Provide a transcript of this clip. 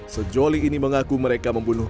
sejoli ini mengaku mereka membunuh